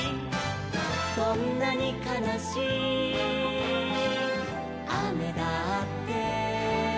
「どんなにかなしいあめだって」